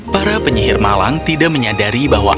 para penyihir malang tidak menyadari bahwa